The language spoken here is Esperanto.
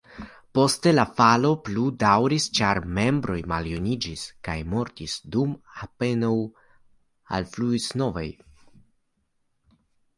Poste la falo plu daŭris, ĉar membroj maljuniĝis kaj mortis, dum apenaŭ alfluis novaj.